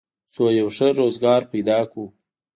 څو یو ښه روزګار پیدا کړو